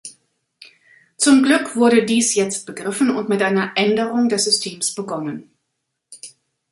Zum Glück wurde dies jetzt begriffen und mit einer Änderung des Systems begonnen.